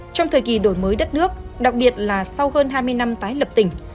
trong thời kỳ đổi mới đất nước đặc biệt là sau hơn hai mươi năm tái lập tỉnh